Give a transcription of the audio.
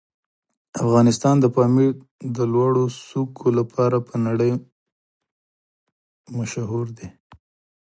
افغانستان د پامیر د لوړو څوکو لپاره په نړۍ مشهور دی.